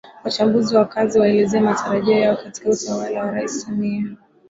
Wachambuzi na wakaazi waelezea matarajio yao katika utawala wa Rais Samia